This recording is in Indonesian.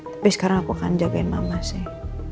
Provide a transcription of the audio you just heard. tapi sekarang aku akan jagain mama sih